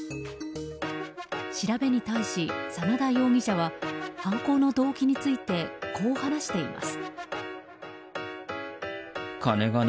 調べに対し、真田容疑者は犯行の動機についてこう話しています。